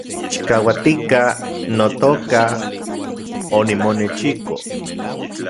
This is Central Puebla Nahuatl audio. Chikauatika, notoka , onimonechiko